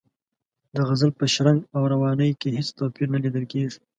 د غزل په شرنګ او روانۍ کې هېڅ توپیر نه لیدل کیږي.